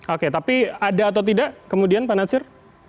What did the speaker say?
oke tapi ada atau tidak kemudian pak natsir